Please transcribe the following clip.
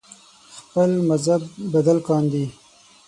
خپل مذهب بدل کاندي